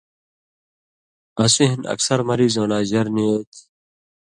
اسی ہِن اکثرمریضؤں لا ژر نی اےتھی۔